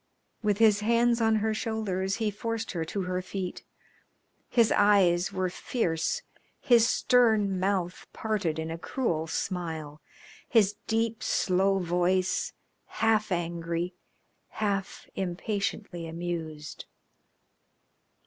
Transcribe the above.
With his hands on her shoulders he forced her to her feet. His eyes were fierce, his stern mouth parted in a cruel smile, his deep, slow voice half angry, half impatiently amused.